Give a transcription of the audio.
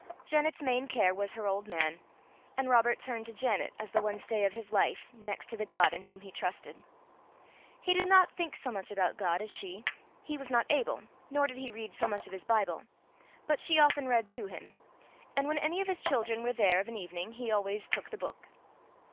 Janet's main care was her old man, and Robert turned to Janet as the one stay of his life, next to the God in whom he trusted. He did not think so much about God as she: he was not able; nor did he read so much of his Bible; but she often read to him; and when any of his children were there of an evening, he always "took the book."